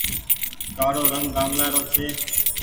ڪآڙو رنگ ڪآنگلآ رو ڇي۔